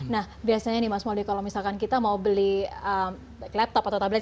nah biasanya nih mas mouldie kalau misalkan kita mau beli laptop atau tablet